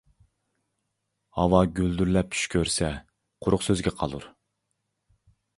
ھاۋا گۈلدۈرلەپ چۈش كۆرسە قۇرۇق سۆزگە قالۇر.